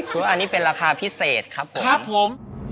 เพราะอันนี้เป็นราคาพิเศษครับผม